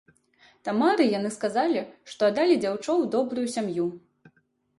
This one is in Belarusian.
Тамары яны сказалі, што аддалі дзяўчо ў добрую сям'ю.